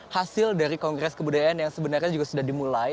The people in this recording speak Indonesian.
hasil dari kongres kebudayaan yang sebenarnya juga sudah dimulai